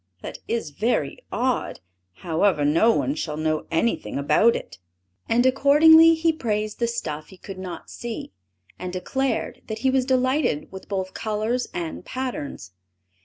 That is very odd; however, no one shall know anything about it." And accordingly he praised the stuff he could not see, and declared that he was delighted with both colors and patterns.